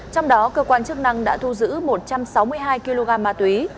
trong đó cơ quan chức năng đã thu giữ một trăm sáu mươi hai kg ma túy